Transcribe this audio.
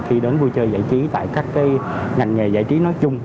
khi đến vui chơi giải trí tại các ngành nghề giải trí nói chung